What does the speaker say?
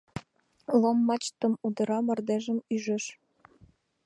Лом мачтым удыра, мардежым ӱжеш